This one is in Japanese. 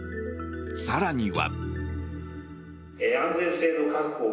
更には。